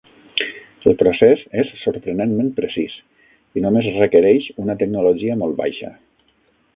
El procés és sorprenentment precís i només requereix una tecnologia molt baixa.